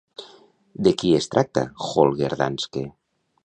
De qui es tracta Holger Danske?